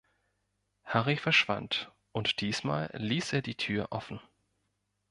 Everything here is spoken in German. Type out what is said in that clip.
Harry verschwand, und diesmal ließ er die Tür offen.